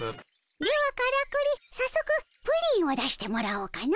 ではからくり早速プリンを出してもらおうかの。